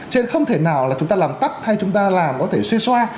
cho nên không thể nào là chúng ta làm tắt hay chúng ta làm có thể xê xoa